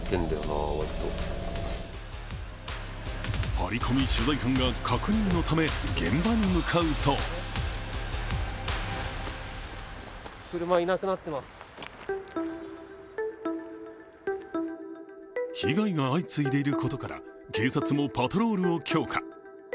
ハリコミ取材班が確認のため現場に向かうと被害が相次いでいることから警察もパトロールを強化。